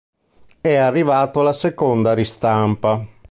È arrivato alla seconda ristampa.